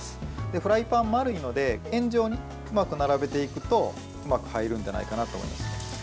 フライパン、丸いので円状に並べていくとうまく入るんじゃないかなと思います。